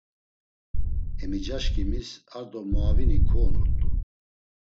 Emicaşǩimis ar do muavini kuonurt̆u.